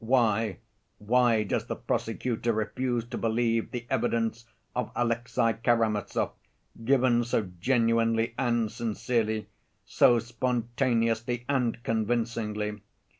Why, why does the prosecutor refuse to believe the evidence of Alexey Karamazov, given so genuinely and sincerely, so spontaneously and convincingly?